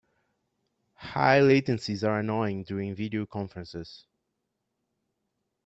High latencies are annoying during video conferences.